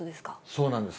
そうなんです。